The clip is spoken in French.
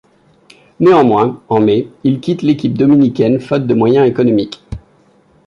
Néanmoins, en mai, il quitte l'équipe dominicaine faute de moyens économiques.